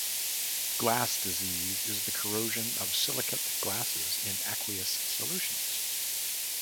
Glass disease is the corrosion of silicate glasses in aqueous solutions.